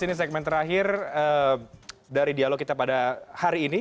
ini segmen terakhir dari dialog kita pada hari ini